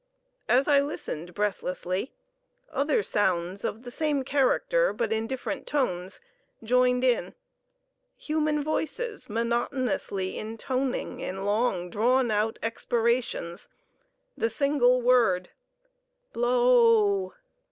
As I listened breathlessly other sounds of the same character, but in different tones, joined in, human voices monotonously intoning in long drawn out expirations the single word "bl o o o o w."